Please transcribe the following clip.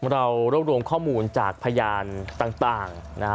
เรารวบรวมข้อมูลจากพยานต่างนะฮะ